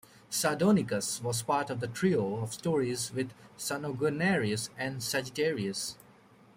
"Sardonicus" was part of a trio of stories with "Sanguinarius" and "Sagittarius".